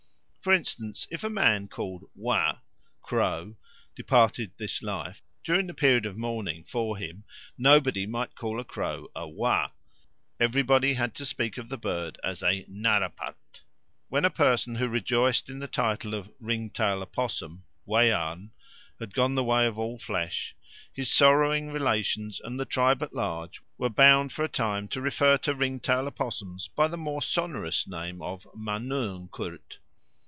For instance, if a man called Waa ( "crow") departed this life, during the period of mourning for him nobody might call a crow a waa; everybody had to speak of the bird as a narrapart. When a person who rejoiced in the title of Ringtail Opossum (weearn) had gone the way of all flesh, his sorrowing relations and the tribe at large were bound for a time to refer to ringtail opossums by the more sonorous name of _manuungkuurt.